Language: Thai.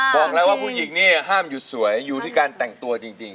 บอกแล้วว่าผู้หญิงนี่ห้ามหยุดสวยอยู่ที่การแต่งตัวจริง